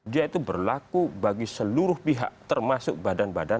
dia itu berlaku bagi seluruh pihak termasuk badan badan